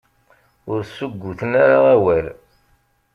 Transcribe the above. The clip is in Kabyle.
Ur ssugguten ara awal.